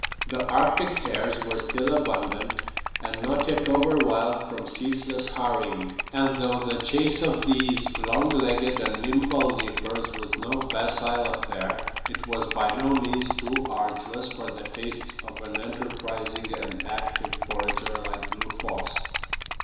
The Arctic hares were still abundant, and not yet overwild from ceaseless harrying; and though the chase of these long legged and nimble leapers was no facile affair, it was by no means too arduous for the tastes of an enterprising and active forager like Blue Fox.